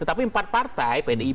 tetapi empat partai